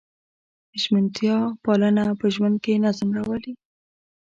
ژمنتیا پالنه په ژوند کې نظم راولي.